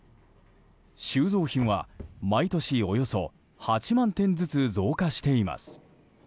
収蔵品は毎年およそ８万点ずつ増加しています。